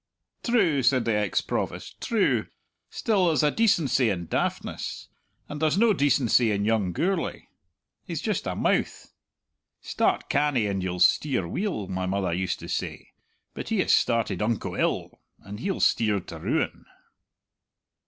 "True!" said the ex Provost, "true! Still there's a decency in daftness. And there's no decency in young Gourlay. He's just a mouth! 'Start canny, and you'll steer weel,' my mother used to say; but he has started unco ill, and he'll steer to ruin."